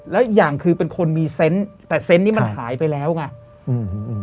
แล้วอย่างคือเป็นคนมีเซนต์แต่เซนต์นี้มันหายไปแล้วไงอืม